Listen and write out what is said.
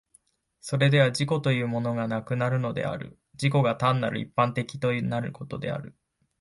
それでは自己というものがなくなることである、自己が単なる一般となることである。